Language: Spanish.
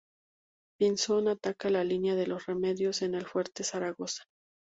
Pinzón ataca La Línea de Los Remedios en el Fuerte Zaragoza.